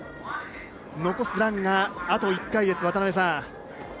残すランが、あと１回です。